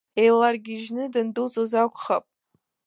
Еиларгьежьны дандәылҵуаз акәхап?